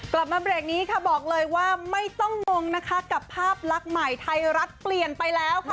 กลับมาเบรกนี้ค่ะบอกเลยว่าไม่ต้องงงนะคะกับภาพลักษณ์ใหม่ไทยรัฐเปลี่ยนไปแล้วค่ะ